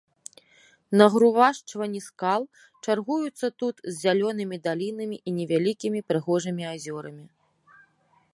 Нагрувашчванні скал чаргуюцца тут з зялёнымі далінамі і невялікімі прыгожымі азёрамі.